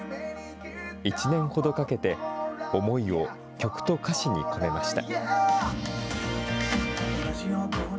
１年ほどかけて、思いを曲と歌詞に込めました。